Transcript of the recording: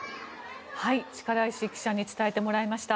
力石記者に伝えてもらいました。